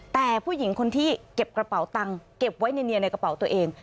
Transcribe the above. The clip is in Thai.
แต่ผู้หญิงคนที่เก็บกระเป๋าตังค์เก็บไว้เนียนในกระเป๋าตัวเอง